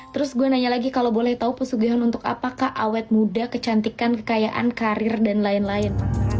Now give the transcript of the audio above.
terus gue nanya lagi kalau boleh tahu pesugihan untuk apakah awet muda kecantikan kekayaan karir dan lain lain